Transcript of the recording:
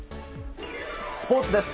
スポーツです。